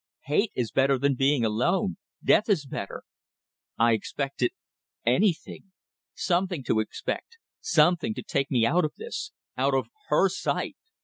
Hate is better than being alone! Death is better! I expected ... anything. Something to expect. Something to take me out of this. Out of her sight!"